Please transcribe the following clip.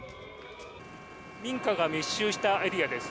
民家が密集したエリアです。